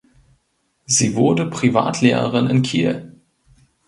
Sie wurde Privatlehrerin in Kiel.